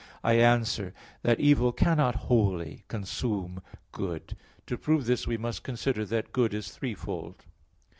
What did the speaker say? I answer that, Evil cannot wholly consume good. To prove this we must consider that good is threefold.